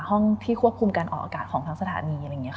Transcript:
ห้องที่ควบคุมการออกอากาศของทั้งสถานี